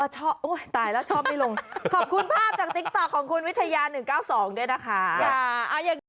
ชอบโอ้ยตายแล้วชอบไม่ลงขอบคุณภาพจากติ๊กต๊อกของคุณวิทยาหนึ่งเก้าสองด้วยนะคะค่ะอ่าอย่าง